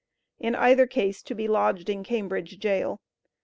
In either ease to be lodged in Cambridge Jail.